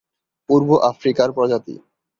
পূর্ব-আফ্রিকার প্রজাতি।